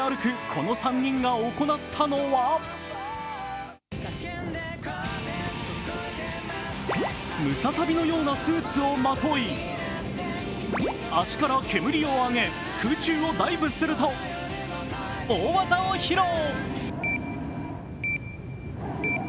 この３人が行ったのはムササビのようなスーツをまとい足から煙を上げ、空中をダイブすると大技を披露。